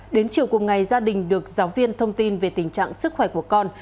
đến chiều cùng ngày gia đình được giáo viên thông tin về tình trạng sức khỏe của con